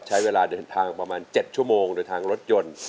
ใช้เวลาเดินทางประมาณ๗ชั่วโมงโดยทางรถยนต์